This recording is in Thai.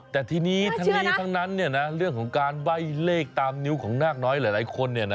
แต่ทีนี้ทั้งนั้นเนี่ยนะเรื่องของการใบ้เลขตามนิ้วของนาคน้อยหลายคนเนี่ยนะ